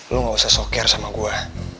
lo gak usah soker sama gue